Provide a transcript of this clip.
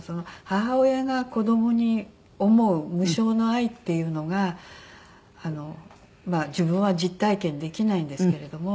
母親が子供に思う無償の愛っていうのが自分は実体験できないんですけれども。